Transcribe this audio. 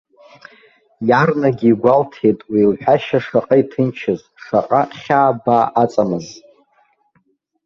Иарнагьы игәалҭеит уи лҳәашьа шаҟа иҭынчыз, шаҟа хьаа-баа аҵамыз.